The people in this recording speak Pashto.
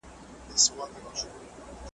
چي دي کله نغری سوړ سي درک نه وي د خپلوانو .